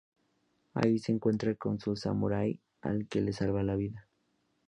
Allí se encuentra con un samurái al que le salva la vida.